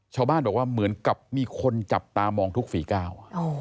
ชาวบ้านบอกว่าเหมือนกับมีคนจับตามองทุกฝีก้าว